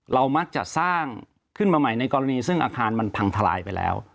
มักจะสร้างขึ้นมาใหม่ในกรณีซึ่งอาคารมันพังทลายไปแล้ว